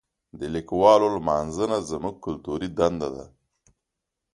د لیکوالو لمانځنه زموږ کلتوري دنده ده.